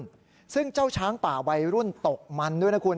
พี่โอ๊ยซึ่งเจ้าช้างป่าวัยรุ่นตกมันด้วย